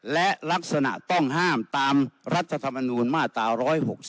และลักษณะต้องห้ามตามรัฐธรรมนูญมาตรา๑๖๒